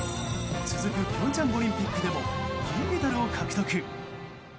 続く平昌オリンピックでも銀メダルを獲得。